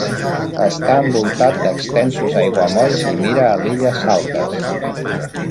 Està envoltat d'extensos aiguamolls i mira a l'illa Saltes.